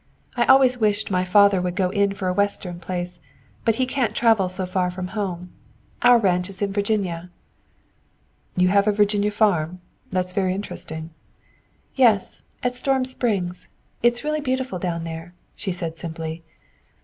I always wished my father would go in for a western place, but he can't travel so far from home. Our ranch is in Virginia." "You have a Virginia farm? That is very interesting." "Yes; at Storm Springs. It's really beautiful down there," she said simply.